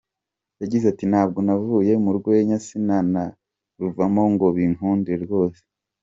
Yagize ati: “Ntabwo navuye mu rwenya, sinanaruvamo ngo binkundire rwose.